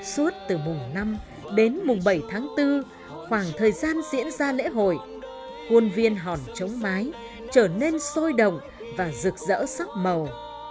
suốt từ mùng năm đến mùng bảy tháng bốn khoảng thời gian diễn ra lễ hội quân viên hòn chống mái trở nên sôi động và rực rỡ sắc màu